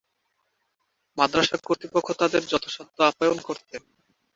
মাদ্রাসা কর্তৃপক্ষ তাদের যথাসাধ্য আপ্যায়ন করতেন।